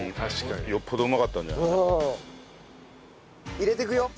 入れていくよ。